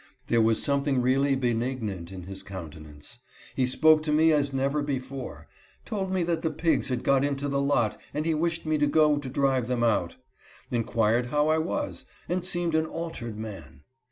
There was some^ thing really benignant in his countenance. He spoke to me as never before, told me that the pigs had got into the lot and he wished me to go to drive them out ; inquired how I was, and seemed an altered man.